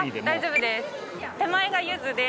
大丈夫です。